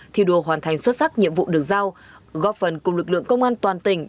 thi đua hoàn thành xuất sắc nhiệm vụ được giao góp phần cùng lực lượng công an toàn tỉnh